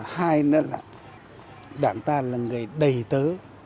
hai là đảng ta là người đầy tớ